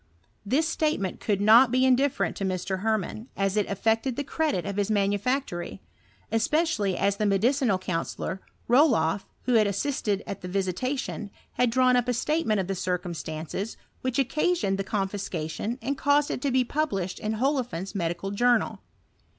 This statement could not be indifterent to Mr. Hermann, as it affected the credit of his manufactory; espe cially as the medicinal counsellor, Roloff, who bad assisted at the visitation, had drawn up a statement ' of the circumstances which occasioned the confi» cation, and caused it to be published in Hofeland's Medical Journal.